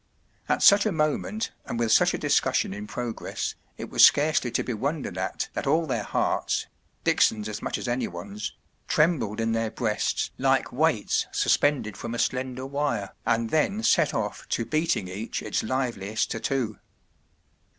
At such a moment, and with such a discus¬ sion in progress, it was scarcely to be wondered at that all their hearts—Dickson’s as much as anyone’s—trembled in their b r easts like weights suspended from a slender wire, and then set off to beating each its liveliest tattoo.